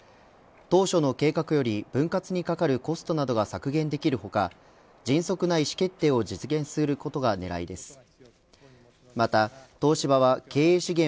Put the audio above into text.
当初の計画より分割にかかるコストなどが削減できる他迅速な意思決定を実現することが狙いです。